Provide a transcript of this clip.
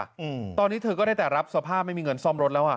อืมตอนนี้เธอก็ได้แต่รับสภาพไม่มีเงินซ่อมรถแล้วอ่ะ